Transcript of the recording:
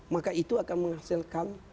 maka itu akan menghasilkan